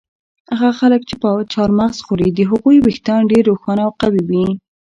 هغه خلک چې چهارمغز خوري د هغوی ویښتان ډېر روښانه او قوي وي.